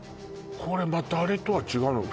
これまたあれとは違うの？